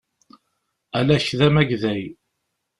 Alak d amagday.